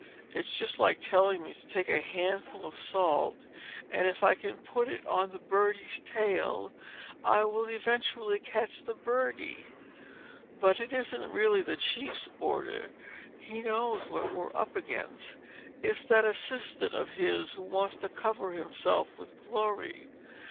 "It's just like telling me to take a handful of salt—and if I can put it on the birdie's tail, I will eventually catch the birdie! But it isn't really the Chief's order, he knows what we're up against. It's that assistant of his who wants to cover himself with glory.